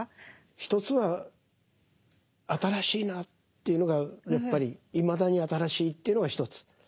一つは新しいなというのがやっぱりいまだに新しいというのが一つ。